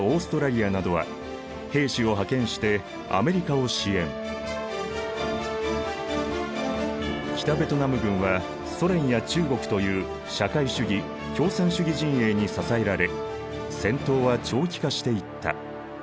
資本主義陣営の北ベトナム軍はソ連や中国という社会主義共産主義陣営に支えられ戦闘は長期化していった。